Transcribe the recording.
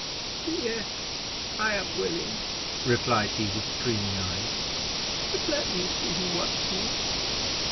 "Yes, I am willing," replied he, with streaming eyes; "but let me see him once more."